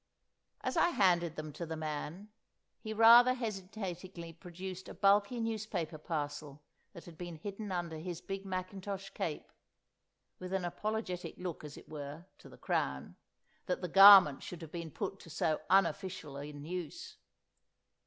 As I handed them to the man, he rather hesitatingly produced a bulky newspaper parcel that had been hidden under his big mackintosh cape, with an apologetic look, as it were, to the Crown, that the garment should have been put to so unofficial an use.